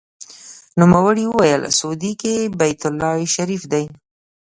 نوموړي وویل: سعودي کې بیت الله شریف دی.